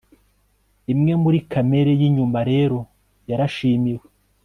Imwe muri kamere yinyuma rero yarashimiwe